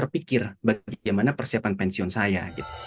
berpikir bagaimana persiapan pensiun saya